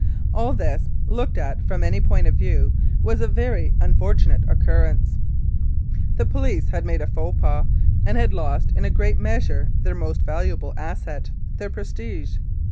All this, looked at from any point of view, was a very unfortunate occurrence. The police had made a faux pas, and had lost in a great measure their most valuable asset, their prestige.